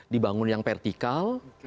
dibangun yang vertikal